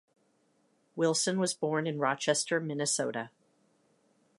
Wilson was born in Rochester, Minnesota.